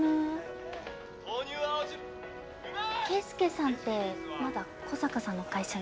ケイスケさんってまだ古坂さんの会社に？